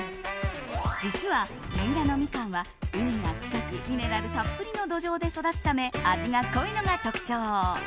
実は三浦のミカンは海が近くミネラルたっぷりの土壌で育つため、味が濃いのが特徴。